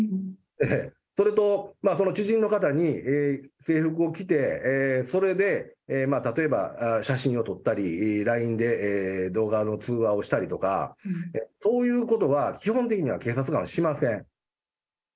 それとその知人の方に、制服を着て、それで例えば写真を撮ったり、ＬＩＮＥで動画の通話をしたりとか、そういうことは基本的には警察官はしません。